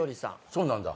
そうなんだ。